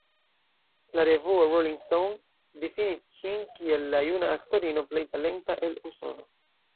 La revuo Rolling Stone difinis ŝin kiel “la juna aktorino plej talenta el Usono”.